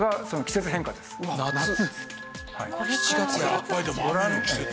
やっぱりでも雨の季節。